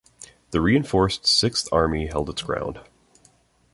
The reinforced Sixth Army held its ground.